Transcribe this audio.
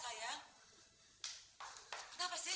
hadi itu sudah tidak ada sayang